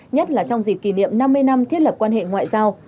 nhất là trong dịp kỷ niệm năm mươi năm thiết lập quan hệ ngoại giao